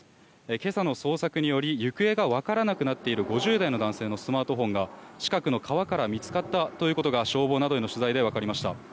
今朝の捜索により行方がわからなくなっている５０代の男性のスマートフォンが近くの川から見つかったということが消防などへの取材でわかりました。